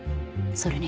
それに。